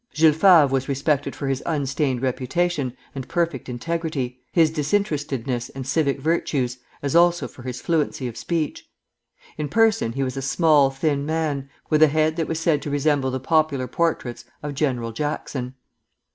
Jules Favre was respected for his unstained reputation and perfect integrity, his disinterestedness and civic virtues, as also for his fluency of speech. In person he was a small, thin man, with a head that was said to resemble the popular portraits of General Jackson.